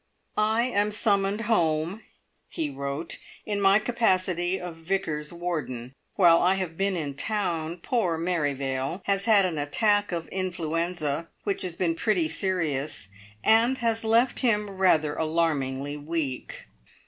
"I am summoned home," he wrote, "in my capacity of vicar's warden. While I have been in town, poor Merrivale has had an attack of influenza, which has been pretty serious, and has left him rather alarmingly weak.